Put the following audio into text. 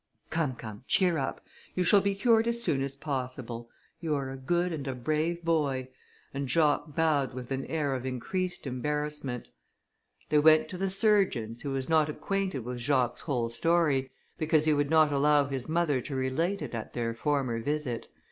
"Come, come, cheer up, you shall be cured as soon as possible. You are a good and a brave boy;" and Jacques bowed with an air of increased embarrassment. They went to the surgeon's, who was not acquainted with Jacques's whole history, because he would not allow his mother to relate it at their former visit.